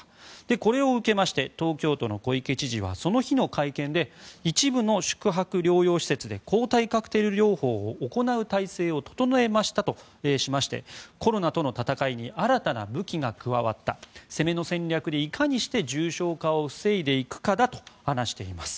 これを受けまして東京都の小池知事はその日の会見で一部の宿泊療養施設で抗体カクテル療法を行う体制を整えましたとしましてコロナとの闘いに新たな武器が加わった攻めの戦略でいかにして重症化を防いでいくかと話しています。